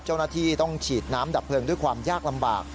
เจ้าหน้าที่ต้องฉีดน้ำดับเพลิงด้วยความยากลำบาก